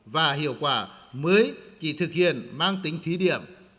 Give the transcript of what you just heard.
và hiệu quả mới chỉ thực hiện mang tính thí điểm